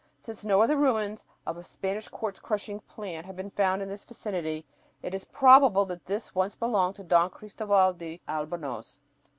Since no other ruins of a Spanish quartz crushing plant have been found in this vicinity, it is probable that this once belonged to Don Christoval de Albornoz.